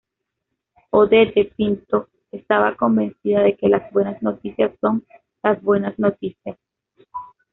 Odette Pinto estaba convencida de que las buenas noticias son, las buenas noticias.